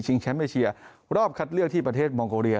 แชมป์เอเชียรอบคัดเลือกที่ประเทศมองโกเรีย